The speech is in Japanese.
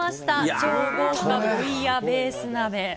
超豪華ブイヤベース鍋。